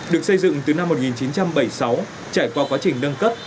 được xây dựng từ năm một nghìn chín trăm bảy mươi sáu trải qua quá trình nâng cấp